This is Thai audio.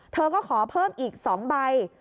เธอก็ขอเพิ่มอีก๒ใบ